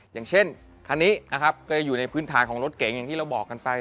อย่างเช่นคันนี้นะครับก็จะอยู่ในพื้นฐานของรถเก๋งอย่างที่เราบอกกันไป